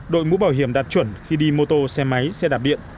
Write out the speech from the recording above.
đội mũ bảo hiểm đạt chuẩn khi đi mô tô xe máy xe đạp điện